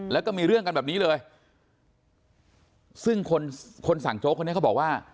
แล้วก็มีเรื่องกันแบบนี้เลยซึ่งคนคนสั่งโจ๊กคนนี้เขาบอกว่า